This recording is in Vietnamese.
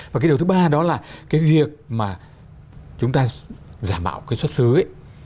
và cái điều thứ ba đó là cái việc mà chúng ta giả mạo cái xuất xứ ấy